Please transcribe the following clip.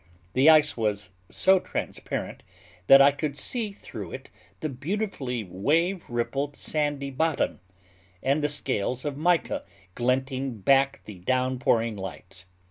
The ice was so transparent that I could see through it the beautifully wave rippled, sandy bottom, and the scales of mica glinting back the down pouring light.